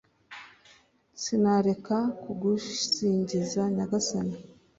sinareka kugusingiza nyagasani